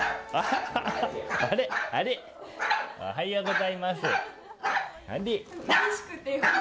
あれ、おはようございます。